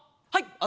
はい！